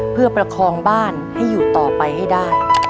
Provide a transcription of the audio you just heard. เพื่อประคองบ้านให้อยู่ต่อไปให้ได้